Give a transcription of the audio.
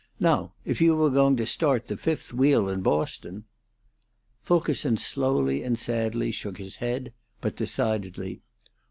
Now, if you were going to start 'The Fifth Wheel' in Boston " Fulkerson slowly and sadly shook his head, but decidedly.